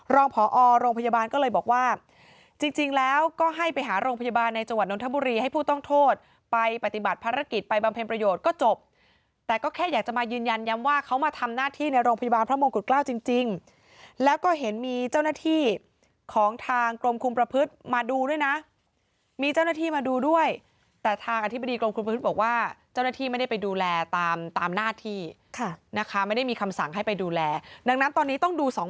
รองพอโรงพยาบาลก็เลยบอกว่าจริงแล้วก็ให้ไปหาโรงพยาบาลในจังหวัดนทบุรีให้ผู้ต้องโทษไปปฏิบัติภารกิจไปบำเพ็ญประโยชน์ก็จบแต่ก็แค่อยากจะมายืนยันยำว่าเขามาทำหน้าที่ในโรงพยาบาลพระมงกุฎเกล้าจริงแล้วก็เห็นมีเจ้าหน้าที่ของทางกรมคุมประพฤษมาดูด้วยนะมีเจ้าหน้าที่มาดูด